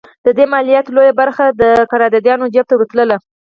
د دې مالیاتو لویه برخه د قراردادیانو جېب ته ورتله.